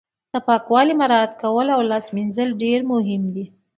د پاکوالي مراعت کول او لاس مینځل ډیر مهم دي